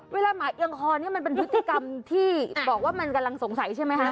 หมาเอียงคอนี่มันเป็นพฤติกรรมที่บอกว่ามันกำลังสงสัยใช่ไหมคะ